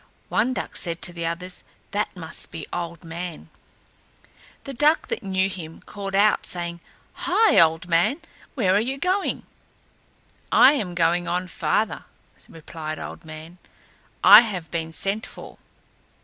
One duck said to the others, "That must be Old Man." The duck that knew him called out, saying, "Hi, Old Man, where are you going?" "I am going on farther," replied Old Man, "I have been sent for."